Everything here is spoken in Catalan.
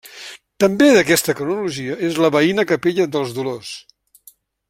També d'aquesta cronologia és la veïna capella dels Dolors.